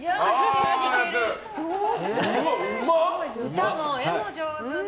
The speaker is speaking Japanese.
歌も絵も上手ね。